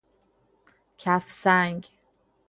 کف سنگ